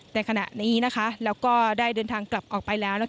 ในขณะนี้แล้วก็ได้เดินทางกลับออกไปแล้ว